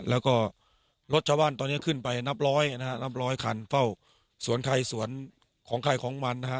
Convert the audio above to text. แล้วก็รถชาวบ้านตอนนี้ขึ้นไปนับร้อยนะฮะนับร้อยคันเฝ้าสวนใครสวนของใครของมันนะฮะ